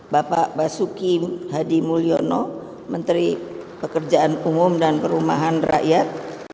bapak basuki hadi mulyono menteri pekerjaan umum dan perumahan rakyat